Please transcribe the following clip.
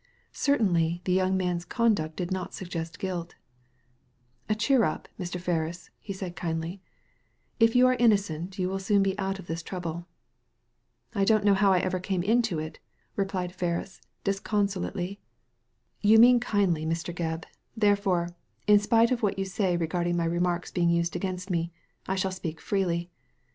Certainly, the young man's conduct did not suggest guilt " Cheer up^ Mr. Ferris," he said kindly ;" if you are innocent you will soon be out of this trouble." " I don't know how ever I came into it," replied Ferris, disconsolately. ^ You mean kindly, Mr. Gebb ; therefore, in spite of what you say regarding my remarks being used against me, I shall speak freely.